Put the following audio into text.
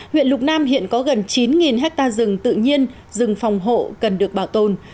huyện lục nam hiện có gần chín hectare rừng tự nhiên rừng phòng hộ cần được bảo tồn